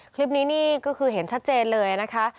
คลิปนี้นี่ก็คือเห็นชัดเจนเลยนะคะ